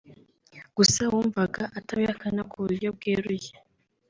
gusa wumvaga atabihakana mu buryo bweruye